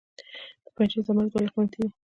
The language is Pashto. د پنجشیر زمرد ولې قیمتي دي؟